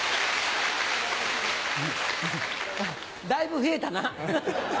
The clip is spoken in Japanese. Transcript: だいぶ増えたな。